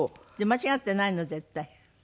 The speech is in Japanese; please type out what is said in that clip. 間違ってないの。